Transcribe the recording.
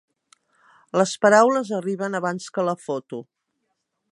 Les paraules arriben abans que la foto.